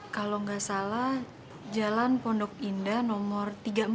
kalau nggak salah jalan pondok indah nomor tiga puluh empat